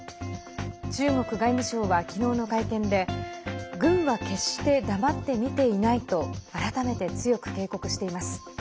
中国外務省は昨日の会見で軍は決して黙って見ていないと改めて強く警告しています。